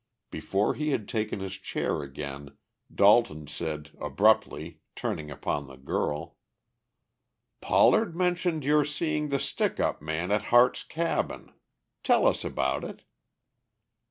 Before he had taken his chair again Dalton said abruptly, turning upon the girl: "Pollard mentioned your seeing the stick up man at Harte's cabin. Tell us about it."